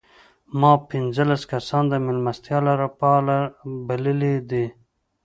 ما پنځلس کسان د مېلمستیا لپاره بللي دي.